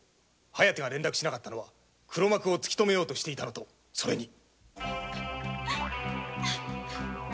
疾風が連絡しなかったのは黒幕を突き止めようとしていたのとそれに。